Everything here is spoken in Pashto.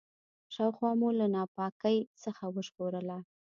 شاوخوا مو له ناپاکۍ څخه وژغورله.